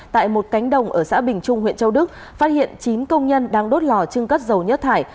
tại một cánh đồng ở xã bình trung huyện châu đức phát hiện chín công nhân đang đốt lò trưng cất dầu nhất thải